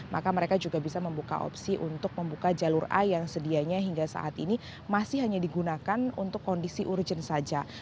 maka mereka juga bisa membuka opsi untuk membuka jalur a yang sedianya hingga saat ini masih hanya digunakan untuk kondisi urgent saja